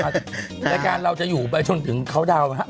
รายการเราจะอยู่ไปช่วงถึงเค้าดาวนะครับ